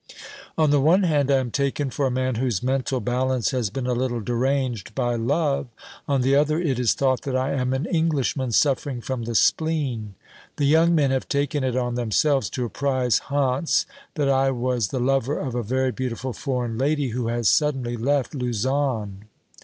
On the one hand, I am taken for a man whose mental balance has been a little deranged by love ; on the other, it is thought that I am an Englishman suffering from the spleen. The young men have taken it on themselves to apprise Hantz that I was the lover of a very beautiful foreign lady who has suddenly left Lausanne.